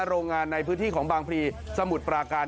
โรงงานในพื้นที่ของบางพลีสมุทรปราการ